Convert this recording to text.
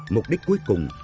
mục đích cuối cùng